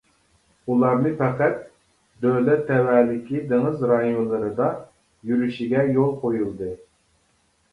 ئۇلارنى پەقەت دۆلەت تەۋەلىكى دېڭىز رايونلىرىدا يۈرۈشىگە يول قويۇلدى.